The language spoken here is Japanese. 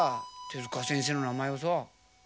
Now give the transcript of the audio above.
手先生の名前をさ。